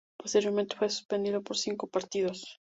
Posteriormente fue suspendido por cinco partidos.